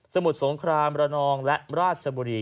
มุสงครามระนองและราชบุรี